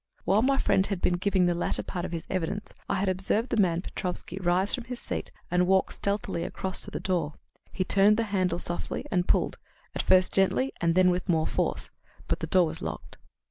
While my friend had been giving the latter part of his evidence, I had observed the man Petrofsky rise from his seat and walk stealthily across to the door. He turned the handle softly and pulled, at first gently, and then with more force. But the door was locked.